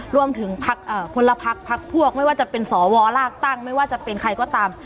รวมถึงคนละพักพักพวกไม่ว่าจะเป็นสวลากตั้งไม่ว่าจะเป็นใครก็ตาม